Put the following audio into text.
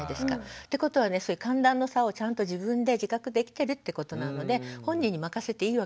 ってことは寒暖の差をちゃんと自分で自覚できてるってことなので本人に任せていいわけですよ。